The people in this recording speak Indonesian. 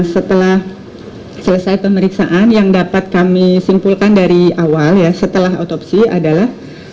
setelah selesai pemeriksaan yang dapat kami simpulkan dari awal ya setelah otopsi adalah